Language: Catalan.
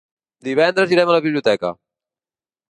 Divendres irem a la biblioteca.